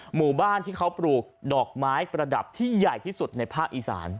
หมู่บ้านที่เขาปลูกดอกไม้ประดับที่ใหญ่ที่สุดในภาคอีสาน